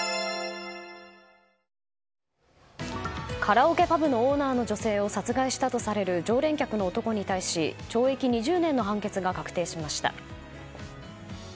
カラオケパブのオーナーの女性を殺害したとされる常連客の男に対し懲役２０年の判決が確定しました。